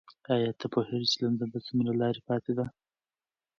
ایا ته پوهېږې چې لندن ته څومره لاره پاتې ده؟